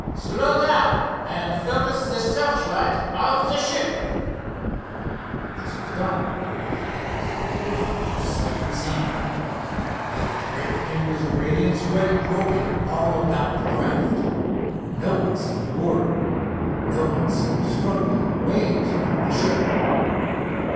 "Slow down and focus the searchlight on the ship," he ordered. This was done. It was a vivid and exciting scene. The great fingers of radiance went groping all about the craft. No one seemed aboard. No one seemed struggling in the waves about the ship.